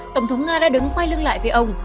tổng thống nga đã đứng quay lưng lại với ông